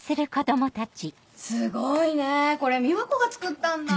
すごいねこれ美和子が作ったんだ？